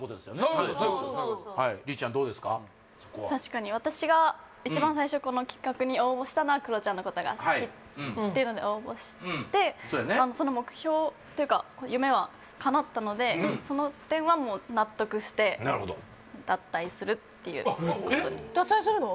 確かに私が一番最初この企画に応募したのはクロちゃんのことが好きっていうので応募してその目標っていうか夢はかなったのでその点はもう納得して脱退するの？